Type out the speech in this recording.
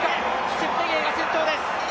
チェプテゲイが先頭です。